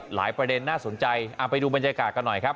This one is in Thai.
ประเด็นน่าสนใจเอาไปดูบรรยากาศกันหน่อยครับ